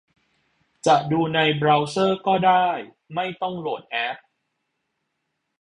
จะดูในเบราว์เซอร์ก็ได้ ไม่ต้องโหลดแอป